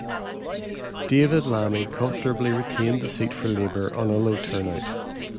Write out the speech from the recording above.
David Lammy comfortably retained the seat for Labour on a low turnout.